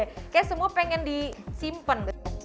kayaknya semua pengen disimpen